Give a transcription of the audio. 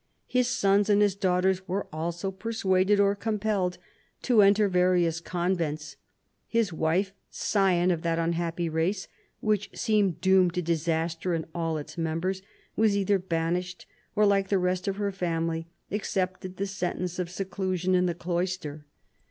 His sons and his daughters were also persuaded or compelled to enter various convents : his wife, scion of that unhappy race which seemed doomed to dis aster in all its members, was either banished or like the rest of her family accepted the sentence of se clusion in the cloister.